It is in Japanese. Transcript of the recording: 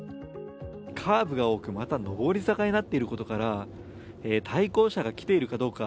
カーブが多く、また上り坂になっていることから対向車が来ているかどうか。